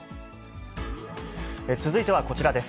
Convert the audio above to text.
続いてはこちらです。